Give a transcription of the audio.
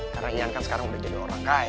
karena ian kan sekarang udah jadi orang kaya